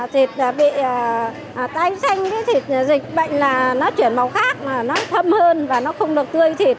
thịt đã bị tanh thịt dịch bệnh là nó chuyển màu khác nó thâm hơn và nó không được tươi thịt